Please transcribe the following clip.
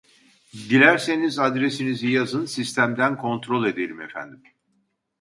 Dilerseniz adresinizi yazın sistemden kontrol edelim efendim